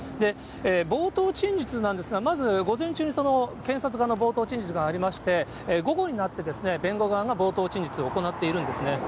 冒頭陳述なんですが、まず、午前中に検察側の冒頭陳述がありまして、午後になって、弁護側の冒頭陳述を行っているんですね。